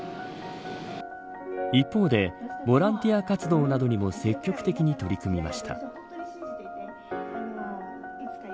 一方でボランティア活動などにも積極的に取り組みました。